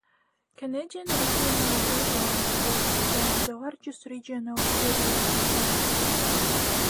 Canadian Regional Airlines was then the largest regional carrier in Canada.